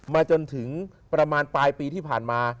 มาจนถึงประมาณปลายปีที่ผ่านมา